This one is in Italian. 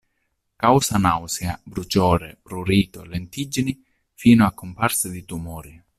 Causa nausea, bruciore, prurito, lentiggini, fino a comparse di tumori